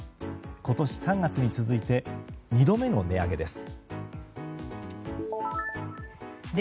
今年３月に続いて２度目の値上げです。